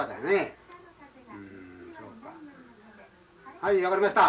はい分かりました。